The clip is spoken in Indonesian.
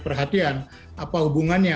perhatian apa hubungannya